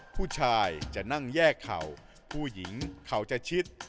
ผู้ชายจะนั่งแยกเข่าผู้หญิงเข่าจะชิด